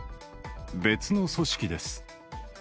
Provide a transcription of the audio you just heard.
別の組織です。